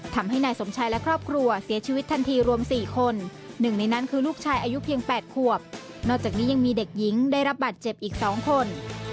ตอนนี้ยังมีเด็กหญิงได้รับบาดเจ็บอีก๒คน